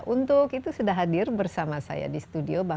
untuk itu sudah hadir bersama saya di studio